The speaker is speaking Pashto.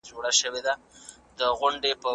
د واورې وړې دانې په هوا کې خورې ورې شوې.